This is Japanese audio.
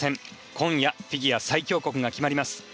今夜、フィギュア最強国が決まります。